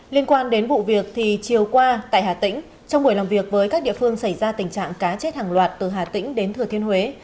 liên quan đến vụ việc thì chiều qua tại hà tĩnh trong buổi làm việc với các địa phương xảy ra tình trạng cá chết hàng loạt từ hà tĩnh đến thừa thiên huế